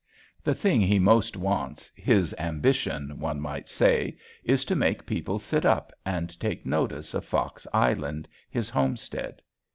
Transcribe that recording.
The thing he most wants, his ambition, one might say, is to make people sit up and take notice of Fox Island, his homestead.